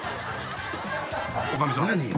女将さん。